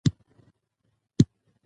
د سولې پروسه سیاسي زغم ته اړتیا لري